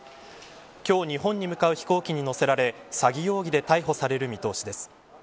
今日、日本に向かう飛行機に乗せられ詐欺容疑で逮捕される見通しです。